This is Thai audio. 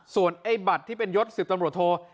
ส่วนไอ้บัตรที่เป็นยศ๑๐ตำรวจโท